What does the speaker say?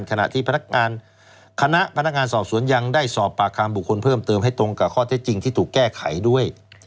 ขณะที่พนักงานคณะพนักงานสอบสวนยังได้สอบปากคำบุคคลเพิ่มเติมให้ตรงกับข้อเท็จจริงที่ถูกแก้ไขด้วย